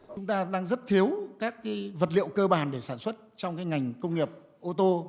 chúng ta đang rất thiếu các vật liệu cơ bản để sản xuất trong ngành công nghiệp ô tô